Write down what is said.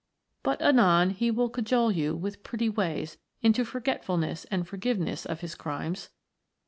But anon he will cajole you with pretty ways into forgetfulness and forgiveness of his crimes.